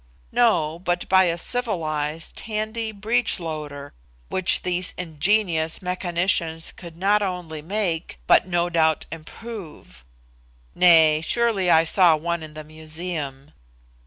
No, but by a civilised handy breech loader, which these ingenious mechanicians could not only make, but no doubt improve; nay, surely I saw one in the Museum.